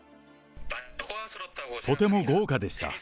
とても豪華でした。